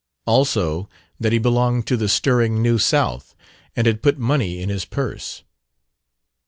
Also, that he belonged to the stirring New South and had put money in his purse.